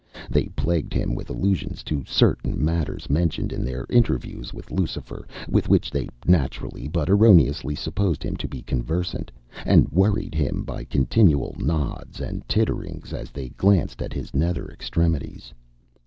They plagued him with allusions to certain matters mentioned in their interviews with Lucifer, with which they naturally but erroneously supposed him to be conversant, and worried him by continual nods and titterings as they glanced at his nether extremities.